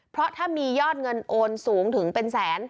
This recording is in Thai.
เพราะถ้ามียอดเงินโอนสูงถึงเป็นแสน